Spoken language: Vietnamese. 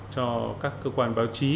cho các cơ quan báo chí